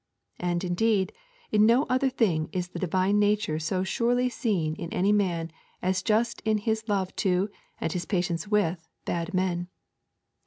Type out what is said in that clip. And, indeed, in no other thing is the divine nature so surely seen in any man as just in his love to and his patience with bad men.